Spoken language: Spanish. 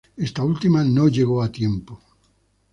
Esta última no llegó a tiempo.